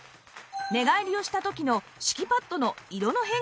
寝返りをした時の敷きパッドの色の変化に注目